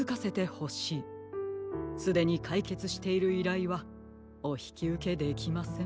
すでにかいけつしているいらいはおひきうけできません。